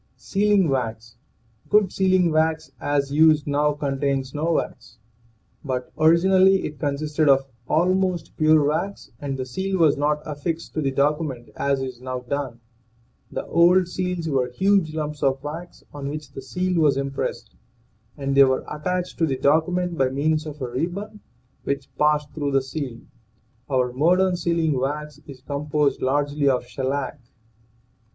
SEALING WAX. Good sealing wax, as used now, con tains no wax. But originally it consisted of almost pure wax, and the seal was not affixed to the document as is now done. The old seals were huge lumps of wax on which the seal was impressed, and they were attached to the document by means of a ribbon which passed through the seal. Our modern sealing wax is composed largely of shellac.